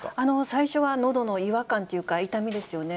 最初はのどの違和感というか、痛みですよね。